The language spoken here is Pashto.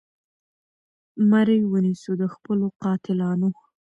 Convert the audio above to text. مرۍ ونیسو د خپلو قاتلانو